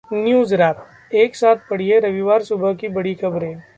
NewsWrap: एक साथ पढ़िए रविवार सुबह की बड़ी खबरें